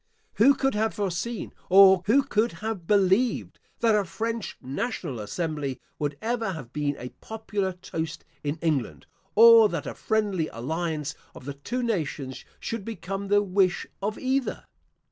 Who could have foreseen, or who could have believed, that a French National Assembly would ever have been a popular toast in England, or that a friendly alliance of the two nations should become the wish of either?